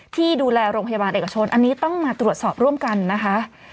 ที่ดูแลโรงพยาบาลเอกชนอันนี้ต้องมาตรวจสอบร่วมกันนะคะ